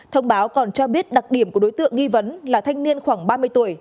thông báo còn cho biết đặc điểm của đối tượng nghi vấn là thanh niên khoảng ba mươi tuổi